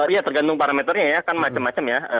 iya tergantung parameternya ya kan macam macam ya